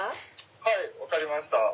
はい分かりました。